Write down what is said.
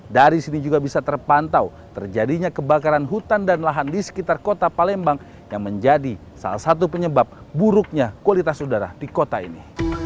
dari sini juga bisa terpantau terjadinya kebakaran hutan dan lahan di sekitar kota palembang yang menjadi salah satu penyebab buruknya kualitas udara di kota ini